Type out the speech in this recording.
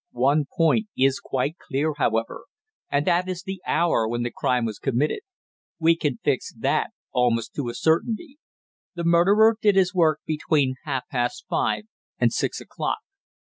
One point is quite clear, however, and that is the hour when the crime was committed. We can fix that almost to a certainty. The murderer did his work between half past five and six o'clock.